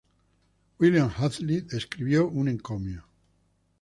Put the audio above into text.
William Hazlitt escribió un encomio.